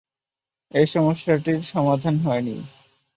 এ সমস্যাটির সমাধান হয়নি।